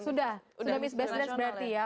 sudah miss best dress berarti ya